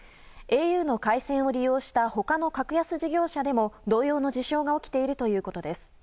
ａｕの回線を利用した他の格安事業者でも同様の事象が起きているということです。